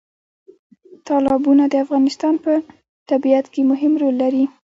تالابونه د افغانستان په طبیعت کې مهم رول لري.